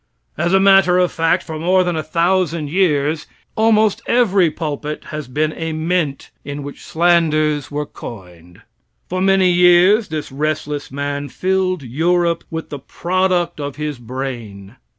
As a matter of fact, for more than 1,000 years almost every pulpit has been a mint in which slanders were coined. For many years this restless man filled Europe with the product of his brain.